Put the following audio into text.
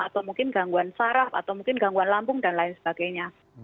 atau mungkin gangguan saraf atau mungkin gangguan lambung dan lain sebagainya